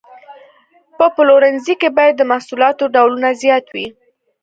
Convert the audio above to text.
په پلورنځي کې باید د محصولاتو ډولونه زیات وي.